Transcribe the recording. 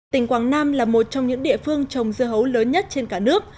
tỉnh quảng nam là một trong những địa phương trồng dưa hấu lớn nhất trên cả nước